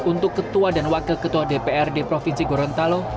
untuk ketua dan wakil ketua dprd provinsi gorontalo